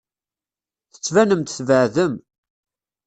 Tettbanem-d tbeɛdem.